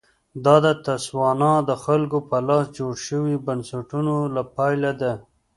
دا د تسوانا د خلکو په لاس جوړ شویو بنسټونو پایله ده.